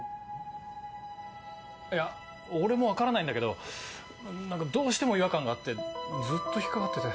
いや俺も分からないんだけど何かどうしても違和感があってずっと引っ掛かってて。